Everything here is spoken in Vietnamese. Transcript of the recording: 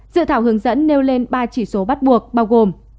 dự thảo hướng dẫn nêu lên ba chỉ số bắt buộc bao gồm